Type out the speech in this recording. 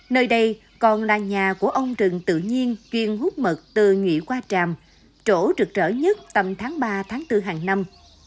nơi đây còn là nhà của ông rừng tự nhiên chuyên hút mật từ nhụy qua tràm chỗ rực rỡ nhất tầm tháng ba bốn hàng năm